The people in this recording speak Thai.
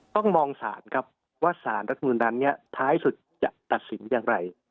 ต้องมองศาลครับว่าสารรัฐมนุนนั้นเนี่ยท้ายสุดจะตัดสินอย่างไร